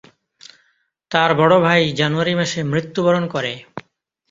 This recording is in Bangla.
তার বড় ভাই জানুয়ারি মাসে মৃত্যুবরণ করে।